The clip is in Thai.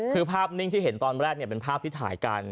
คือภาพนิ่งที่เห็นตอนแรกเป็นภาพที่ถ่ายกัน